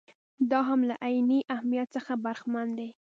دا هم له عیني اهمیت څخه برخمن دي.